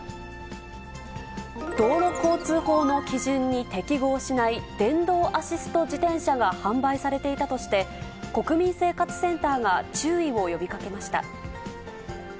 道路交通法の基準に適合しない電動アシスト自転車が販売されていたとして、国民生活センターが注意を呼びかけました。